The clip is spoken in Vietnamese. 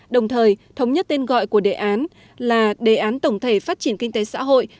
đồng thời thống nhất tên gọi của đề án là đề án tổng thể phát triển kinh tế xã hội